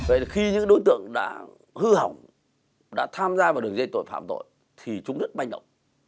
vậy là khi những đối tượng đã hư hỏng đã tham gia vào đường dây tội phạm thì chúng rất manh động